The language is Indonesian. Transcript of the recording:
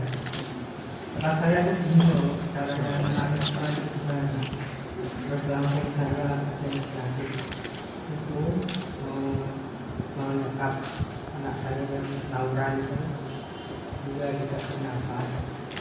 mau menekat anak saya dengan nauran itu juga tidak pernah pas